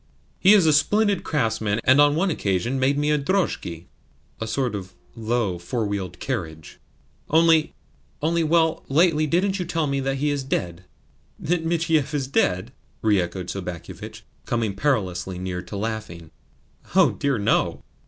He is a splendid craftsman, and, on one occasion, made me a drozhki . Only, only well, lately didn't you tell me that he is dead?" "That Michiev is dead?" re echoed Sobakevitch, coming perilously near to laughing. "Oh dear no!